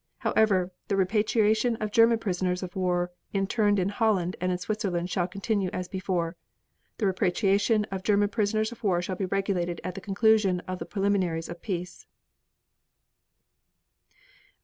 However, the repatriation of German prisoners of war interned in Holland and in Switzerland shall continue as before. The repatriation of German prisoners of war shall be regulated at the conclusion of the preliminaries of peace.